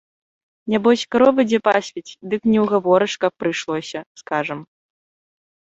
Нябось, каровы дзе пасвіць, дык не ўгаворыш, каб прыйшлося, скажам.